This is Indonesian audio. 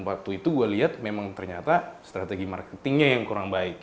waktu itu gue lihat memang ternyata strategi marketingnya yang kurang baik